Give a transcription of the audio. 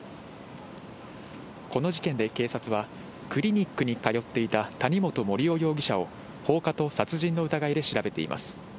この事件で警察は、クリニックに通っていた谷本盛雄容疑者を、放火と殺人の疑いで調べています。